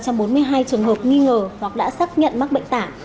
trong bốn mươi hai trường hợp nghi ngờ hoặc đã xác nhận mắc bệnh tả